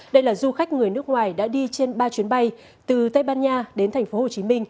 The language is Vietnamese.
đây là du khách người nước ngoài đã đi trên ba chuyến bay từ tây ban nha đến tp hcm